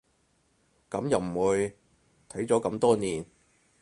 噉又唔會，睇咗咁多年